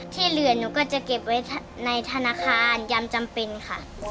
ที่เหลือหนูก็จะเก็บไว้ในธนาคารยำจำเป็นค่ะ